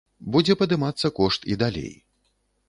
Будзе падымацца кошт і далей.